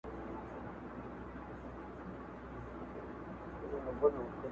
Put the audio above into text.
لهشاوردروميګناهونهيېدلېپاتهسي,